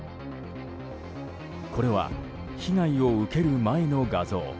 これは被害を受ける前の画像。